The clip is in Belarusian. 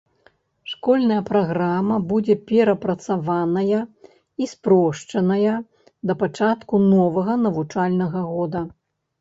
Школьная праграма будзе перапрацаваная і спрошчаная да пачатку новага навучальнага года.